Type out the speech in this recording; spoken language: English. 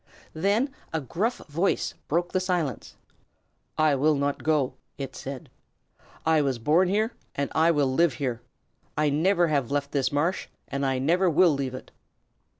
Then a gruff voice broke the silence. "I will not go," it said. "I was born here and I will live here. I never have left this marsh and I never will leave it."